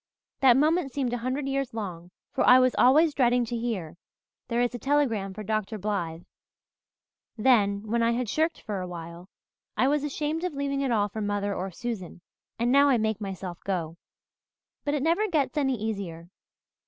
That moment seemed a hundred years long, for I was always dreading to hear 'There is a telegram for Dr. Blythe.' Then, when I had shirked for a while, I was ashamed of leaving it all for mother or Susan, and now I make myself go. But it never gets any easier.